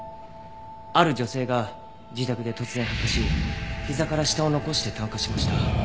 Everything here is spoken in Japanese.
ある女性が自宅で突然発火しひざから下を残して炭化しました。